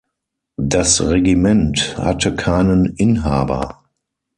Das Regiment hatte keinen Inhaber